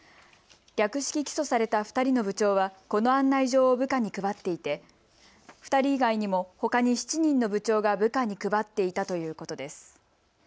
略式起訴された２人の部長はこの案内状を部下に配っていて２人以外にもほかに７人の部長が部下に配っていたということです。